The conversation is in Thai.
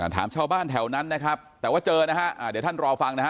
ถามชาวบ้านแถวนั้นนะครับแต่ว่าเจอนะฮะเดี๋ยวท่านรอฟังนะฮะ